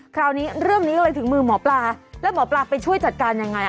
คราวนี้เรื่องนี้ก็เลยถึงมือหมอปลาแล้วหมอปลาไปช่วยจัดการยังไง